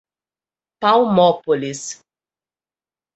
Palmópolis